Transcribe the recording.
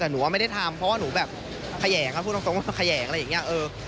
แต่หนูว่าไม่ได้ทำเพราะว่าหนูแบบแขยงพูดตรงว่าแขยงอะไรอย่างนี้